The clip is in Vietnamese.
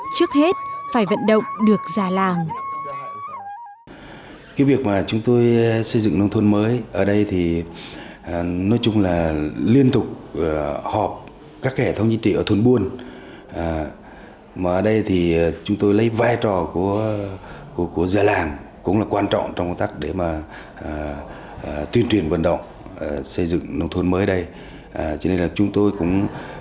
trước hết phải vận động được già làng